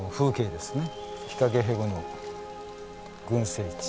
ヒカゲヘゴの群生地。